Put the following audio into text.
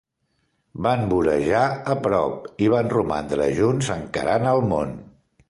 Van vorejar a prop, i van romandre junts encarant el món.